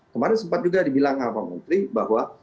kemarin sempat juga dibilang pak menteri bahwa